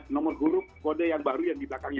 nomor huruf kode yang baru yang di belakangnya